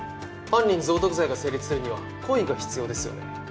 犯人蔵匿罪が成立するには故意が必要です。